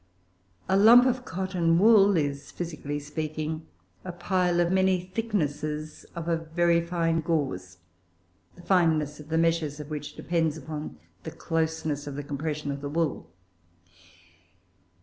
A lump of cotton wool is, physically speaking, a pile of many thicknesses of a very fine gauze, the fineness of the meshes of which depends upon the closeness of the compression of the wool.